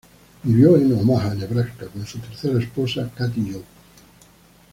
Vivió en Omaha, Nebraska, con su tercera esposa, Kathy Joe.